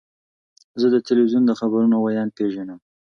زه د تلویزیون د خبرونو ویاند پیژنم.